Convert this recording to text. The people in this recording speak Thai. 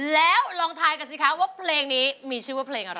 แล้วลองทายกันสิคะว่าเพลงนี้มีชื่อว่าเพลงอะไร